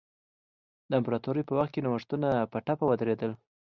د امپراتورۍ په وخت کې نوښتونه په ټپه ودرېدل.